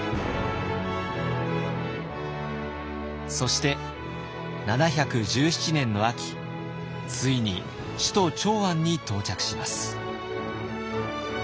そして７１７年の秋ついに首都長安に到着します。